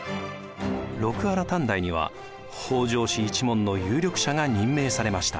六波羅探題には北条氏一門の有力者が任命されました。